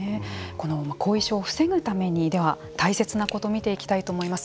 後遺症を防ぐためにでは、大切なこと見ていきたいと思います。